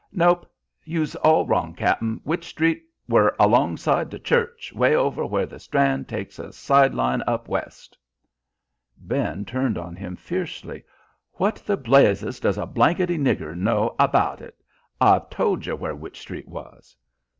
"Nope. You's all wrong, cap'n. Wych Street were alongside de church, way over where the Strand takes a side line up west." Ben turned on him fiercely. "What the blazes does a blanketty nigger know abaht it? I've told yer where Wych Street was."